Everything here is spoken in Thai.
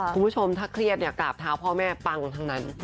คุณผู้ชมถ้าเครียดเนี่ยกราบเท้าพ่อแม่ปังทั้งนั้น